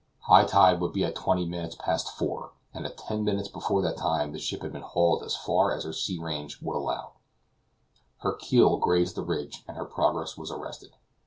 High tide would be at twenty minutes past four, and at ten minutes before that time the ship had been hauled as far as her sea range would allow; her keel grazed the ridge, and her progress was arrested.